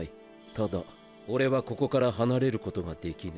ただ俺はここから離れることができぬ。